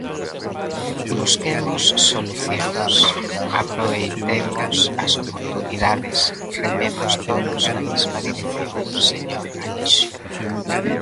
Busquemos solucións, aproveitemos as oportunidades, rememos todos na mesma dirección, señor Alixo.